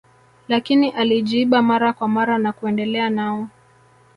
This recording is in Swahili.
lakini alijiiba mara kwa mara na kuendelea nao